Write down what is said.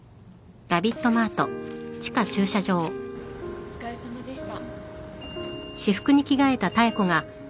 お疲れさまでした。